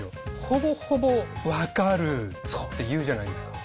ほぼほぼ分かるって言うじゃないですか。